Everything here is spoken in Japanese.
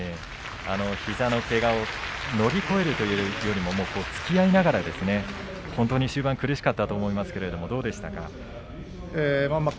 膝のけがを乗り越えるというよりもつきあいながら本当に終盤苦しかったと思いますけどどうでしたか？